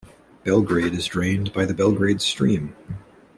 Belgrade is drained by the Belgrade Stream.